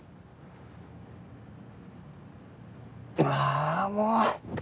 ああもう！